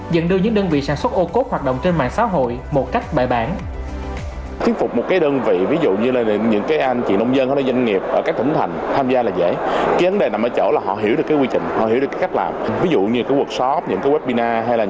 dần đưa những đơn vị sản xuất ô cốt hoạt động trên mạng xã hội một cách bài bản